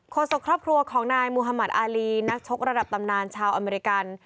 ศกครอบครัวของนายมุธมัติอารีนักชกระดับตำนานชาวอเมริกัน